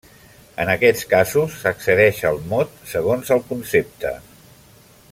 En aquests casos, s’accedeix al mot segons el concepte.